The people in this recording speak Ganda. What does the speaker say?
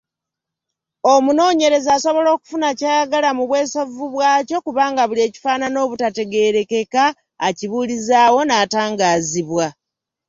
Omunoonyereza asobla okufuna ky’ayagala mu bwesovvu bwakyo kubanga buli ekifaanana obutategeerekeka akibuulizaawo n’atangaazibwa.